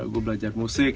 gue belajar musik